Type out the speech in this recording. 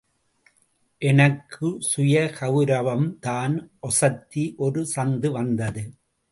எனக்கு சுயகவுரவம்தான் ஒசத்தி ஒரு சந்து வந்தது.